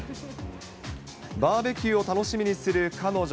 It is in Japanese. バーベキューを楽しみにする彼女。